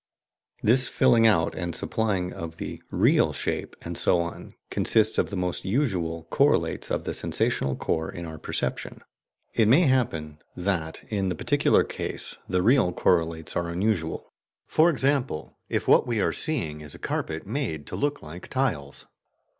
This filling out and supplying of the "real" shape and so on consists of the most usual correlates of the sensational core in our perception. It may happen that, in the particular case, the real correlates are unusual; for example, if what we are seeing is a carpet made to look like tiles.